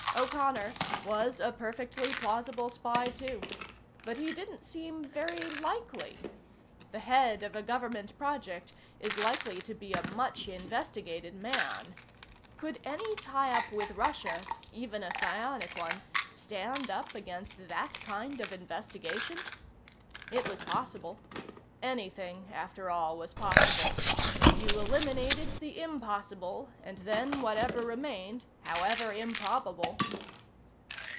O'Connor was a perfectly plausible spy, too. But he didn't seem very likely. The head of a government project is likely to be a much investigated man. Could any tie up with Russia even a psionic one stand up against that kind of investigation? It was possible. Anything, after all, was possible. You eliminated the impossible, and then whatever remained, however improbable....